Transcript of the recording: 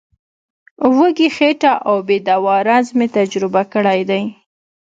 وږې خېټه او بې دوا رنځ مې تجربه کړی دی.